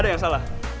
ada yang salah